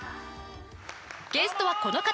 ゲストはこの方。